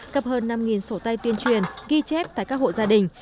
cấp hơn năm sổ tay tuyên truyền ghi chép tại các hộ gia đình